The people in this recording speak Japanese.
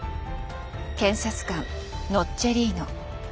検察官ノッチェリーノ。